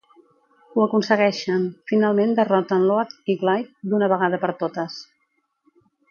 Ho aconsegueixen, finalment derroten Loath i Glyde d'una vegada per totes.